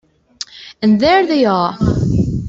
And there they are!